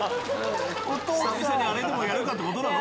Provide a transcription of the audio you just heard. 久々にあれでもやるか！ってことなの？